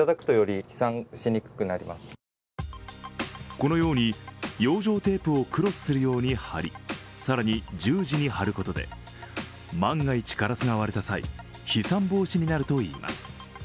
このように養生テープをクロスするように貼り更に、十字にはることで万が一ガラスが割れた際飛散防止になるといいます。